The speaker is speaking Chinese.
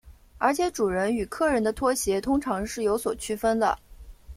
而且主人与客人的拖鞋通常是有所区分的。